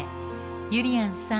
ゆりやんさん